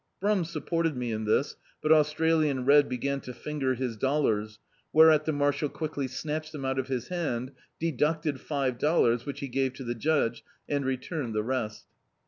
Brum supported me in this, but Australian Red began to finger his dollars, whereat the marshal quickly snatched them out of his hand, deducted five dollars, which he gave to the judge, and returned the rest.